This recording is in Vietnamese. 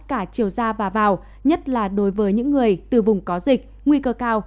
cả chiều ra và vào nhất là đối với những người từ vùng có dịch nguy cơ cao